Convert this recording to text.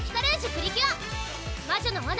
プリキュア